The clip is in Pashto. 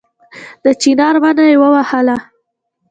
د چينار ونه يې ووهله